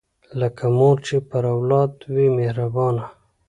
لکه مور چې پر اولاد وي مهربانه